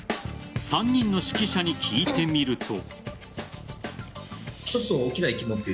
３人の識者に聞いてみると。